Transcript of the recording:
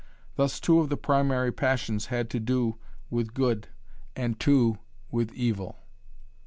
Thus two of the primary passions had to do with good and two with evil.